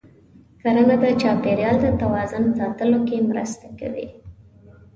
کرنه د چاپېریال د توازن ساتلو کې مرسته کوي.